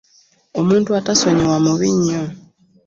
Omuntu atasonyiwa mubi nnyo.